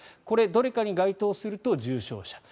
これのどれかに該当すると重症者。